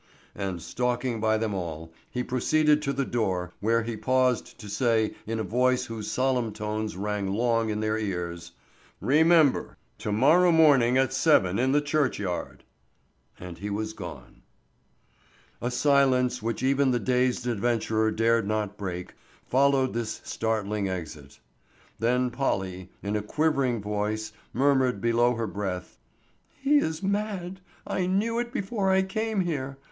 And stalking by them all, he proceeded to the door, where he paused to say in a voice whose solemn tones rang long in their ears, "Remember! to morrow morning at seven in the churchyard." And he was gone. A silence which even the dazed adventurer dared not break followed this startling exit. Then Polly, in a quivering voice, murmured below her breath, "He is mad! I knew it before I came here.